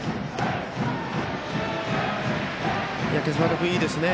今朝丸君、いいですね。